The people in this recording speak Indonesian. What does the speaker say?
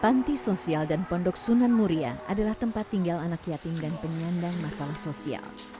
panti sosial dan pondok sunan muria adalah tempat tinggal anak yatim dan penyandang masalah sosial